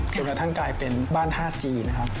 จนกระทั่งกลายเป็นบ้านธาตุจีนนะครับ